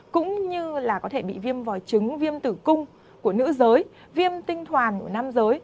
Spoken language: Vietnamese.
cũng như là có thể bị viêm vòi chứng viêm tử cung của nữ giới viêm tinh hoàn của nam giới